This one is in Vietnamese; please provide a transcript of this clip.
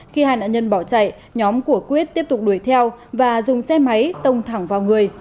khi hai nạn nhân bỏ chạy nhóm của quyết tiếp tục đuổi theo và dùng xe máy tông thẳng vào người